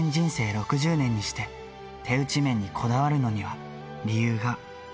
６０年にして、手打ち麺にこだわるのには理由が。